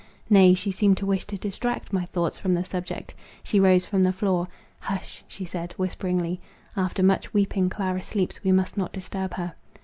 Nay, she seemed to wish to distract my thoughts from the subject: she rose from the floor: "Hush!" she said, whisperingly; "after much weeping, Clara sleeps; we must not disturb her."